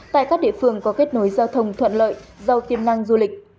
tại các địa phương có kết nối giao thông thuận lợi giàu tiềm năng du lịch